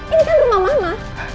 ini kan rumah mama